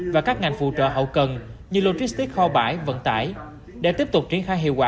và các ngành phụ trợ hậu cần như logistic kho bãi vận tải để tiếp tục triển khai hiệu quả